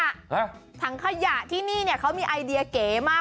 ฮะถังขยะที่นี่เนี่ยเขามีไอเดียเก๋มาก